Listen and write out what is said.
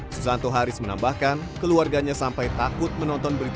susanto haris menambahkan keluarganya sampai takut menonton berita